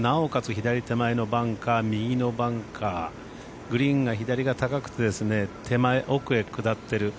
左手前のバンカー右のバンカーグリーンが左が高くて手前奥へ下ってる。